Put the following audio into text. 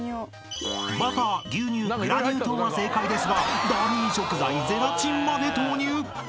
［バター牛乳グラニュー糖が正解ですがダミー食材ゼラチンまで投入］